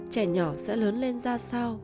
trẻ nhỏ sẽ lớn lên ra sao